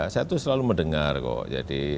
saya tuh selalu mendengar kok jadi